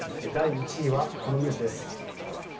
第１位はこのニュースです。